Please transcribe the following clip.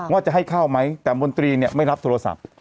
ว่าจะให้เข้าไหมแต่มนตรีเนี่ยไม่รับโทรศัพท์